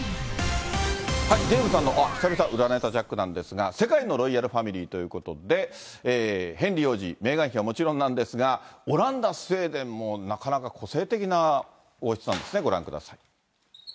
デーブさんの、久々、裏ネタジャックなんですが、世界のロイヤルファミリーということで、ヘンリー王子、メーガン妃はもちろんなんですが、オランダ、スウェーデンも、なかなか個性的な王室なんですね、ご覧ください。